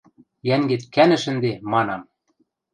Йӓнгет кӓнӹш ӹнде, манам!